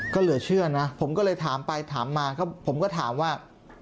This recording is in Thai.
ก็เหลือเชื่อนะผมก็เลยถามไปถามมาผมก็ถามว่า